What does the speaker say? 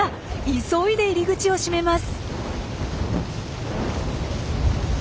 急いで入り口を閉めます。